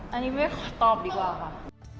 อันนี้ไม่ขอตอบดีกว่าค่ะ